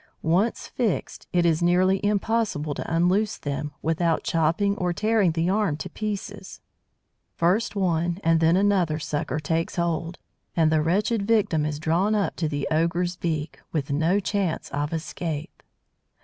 Once fixed, it is nearly impossible to unloose them, without chopping or tearing the arm to pieces. First one and then another sucker takes hold, and the wretched victim is drawn up to the ogre's beak, with no chance of escape.